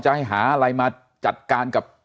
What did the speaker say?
ให้หาอะไรมาจัดการกับ